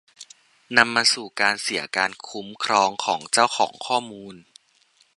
นำมาสู่การเสียการคุ้มครองของเจ้าของข้อมูล